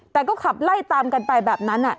แต่ก็ขับไล่ตามกันไปแบบนั้น